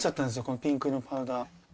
このピンク色のパウダー。